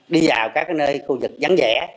đi vào các nơi khu vực vắng vẻ